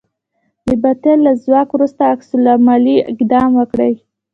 د باطل له ځواک وروسته عکس العملي اقدام وکړئ.